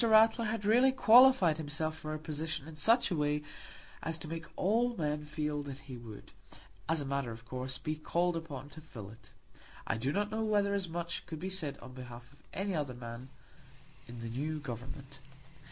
Ratler had really qualified himself for a position in such a way as to make all men feel that he would, as a matter of course, be called upon to fill it. I do not know whether as much could be said on behalf of any other man in the new Government.